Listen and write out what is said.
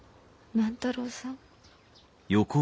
・・万太郎さん？